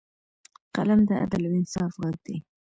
قلم د عدل او انصاف غږ دی